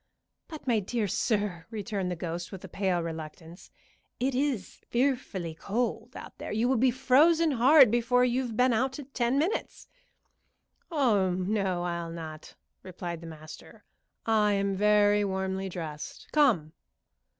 "But, my dear sir," returned the ghost, with a pale reluctance, "it is fearfully cold out there. You will be frozen hard before you've been out ten minutes." "Oh no, I'll not," replied the master. "I am very warmly dressed. Come!"